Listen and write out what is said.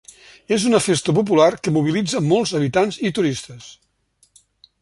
És una festa popular que mobilitza molts habitants i turistes.